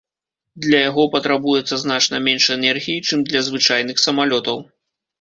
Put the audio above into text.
Для яго патрабуецца значна менш энергіі, чым для звычайных самалётаў.